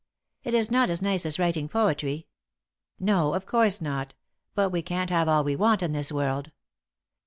"It is not as nice as writing poetry." "No, of course not. But we can't have all we want in this world."